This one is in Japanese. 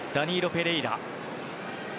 ・ペレイラ